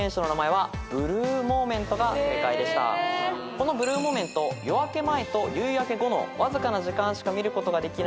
このブルーモーメント夜明け前と夕焼け後のわずかな時間しか見ることができない。